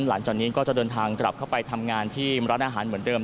หลังจากนี้ก็จะเดินทางกลับเข้าไปทำงานที่ร้านอาหารเหมือนเดิม